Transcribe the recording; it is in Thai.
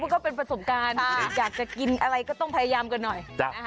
ก็เป็นประสบการณ์อยากจะกินอะไรก็ต้องพยายามกันหน่อย